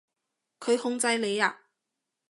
佢控制你呀？